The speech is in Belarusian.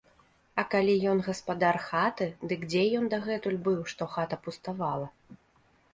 А калі ён гаспадар хаты, дык дзе ён дагэтуль быў, што хата пуставала.